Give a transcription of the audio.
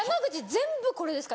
全部これですか？